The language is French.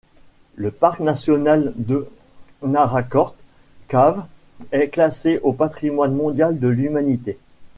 Le parc national de Naracoorte Caves est classé au patrimoine mondial de l'humanité.